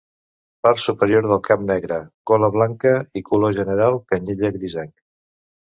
Part superior del cap negre, gola blanca i color general canyella grisenc.